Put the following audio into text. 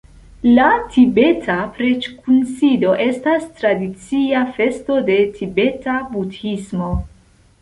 La tibeta preĝ-kunsido estas tradicia festo de tibeta budhismo.